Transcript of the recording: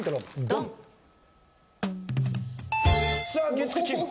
月９チーム。